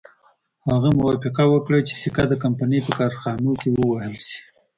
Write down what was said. هغه موافقه وکړه چې سکه د کمپنۍ په کارخانو کې ووهل شي.